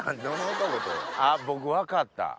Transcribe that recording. あっ僕分かった。